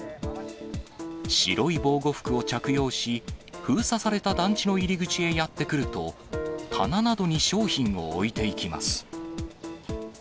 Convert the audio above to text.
白い防護服を着用し、封鎖された団地の入り口へやって来ると、棚などに商品を置いていきます。